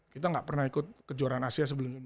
kita nggak pernah ikut kejuaraan asia sebelum ini